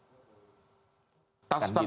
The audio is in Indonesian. kan gitu pak